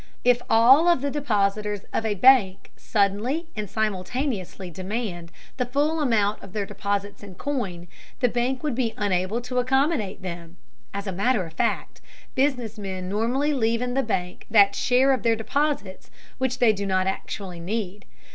If all of the depositors of a bank suddenly and simultaneously demanded the full amount of their deposits in coin, the bank would be unable to accommodate them; as a matter of fact, business men normally leave in the bank that share of their deposits which they do not actually need.